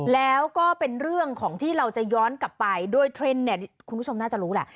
แล้วก็เป็นเรื่องของที่เราจะย้อนกลับไปโดยเทรนด์เนี่ยคุณผู้ชมน่าจะรู้แหละ